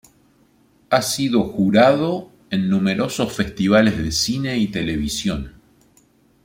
Ha sido jurado en numerosos Festivales de Cine y Televisión.